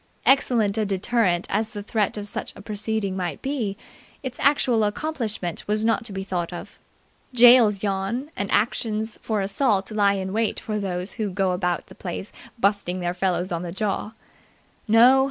Excellent a deterrent as the threat of such a proceeding might be, its actual accomplishment was not to be thought of. Gaols yawn and actions for assault lie in wait for those who go about the place busting their fellows on the jaw. No.